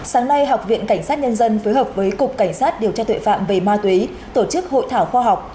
sáng nay học viện cảnh sát nhân dân phối hợp với cục cảnh sát điều tra tội phạm về ma túy tổ chức hội thảo khoa học